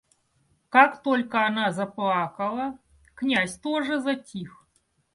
Как только она заплакала, князь тоже затих.